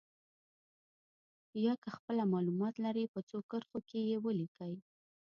یا که خپله معلومات لرئ په څو کرښو کې یې ولیکئ.